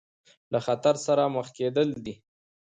له خطر سره مخ کېدل دي.